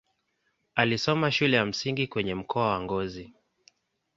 Alisoma shule ya msingi kwenye mkoa wa Ngozi.